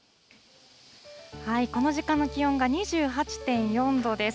この時間の気温が２８．４度です。